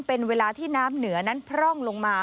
เป็นเวลาที่น้ำเหนือนั้นพร่องลงมา